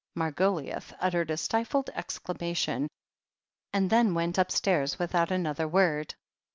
Margoliouth uttered a stifled exclamation, and then went upstairs without another word.